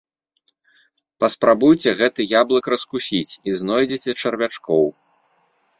Паспрабуйце гэты яблык раскусіць і знойдзеце чарвячкоў.